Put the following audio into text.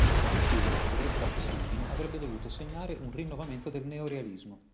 Il film, prodotto da quest'ultimo, avrebbe dovuto segnare un rinnovamento del Neorealismo.